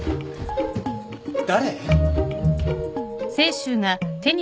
誰？